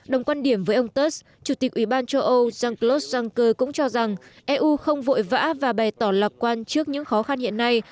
đồng quan điểm với ông tursk chủ tịch ủy ban châu âu jean claude juncker cũng cho rằng eu không vội vã và bày tỏ lạc quan trước những khó khăn hiện nay